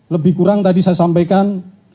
lebih kurang tadi saya sampaikan